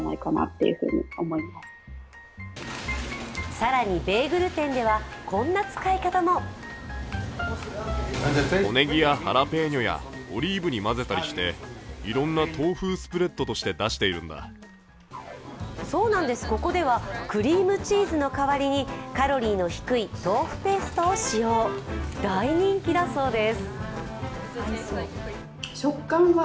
更に、ベーグル店ではこんな使い方もぁそうなんです、ここではクリームチーズの代わりにカロリーの低い豆腐ペーストを使用、大人気だそうです。